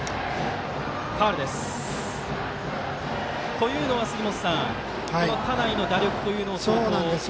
というのは杉本さん田内の打力というのを。